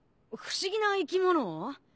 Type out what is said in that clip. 不思議な生き物を？